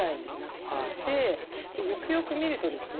でよくよく見るとですね